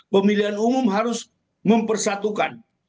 pemilihan umum harus mempersatukan